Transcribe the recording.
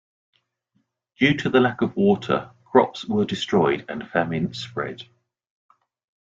Due to the lack of water, crops were destroyed and famine spread.